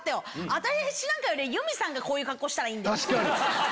私なんかより由美さんがこういう格好したらいいんだよ。